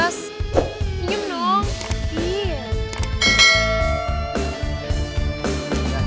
aku udah lihat